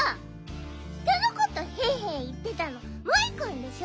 ひとのこと「へんへん」いってたのモイくんでしょ！